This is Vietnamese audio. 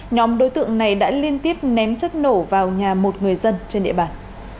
nhóm đối tượng này đã liên tiếp ném chất nổ vào nhà một người dân trên địa bàn